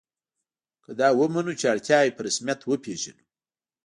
که دا ومنو چې اړتیاوې په رسمیت وپېژنو.